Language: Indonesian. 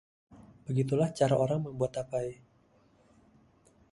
begitulah cara orang membuat tapai